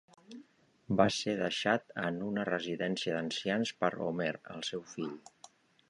Va ser deixat en una residència d'ancians per Homer, el seu fill.